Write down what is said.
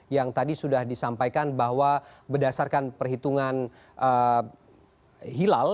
yang tadi sudah disampaikan bahwa berdasarkan perhitungan hilal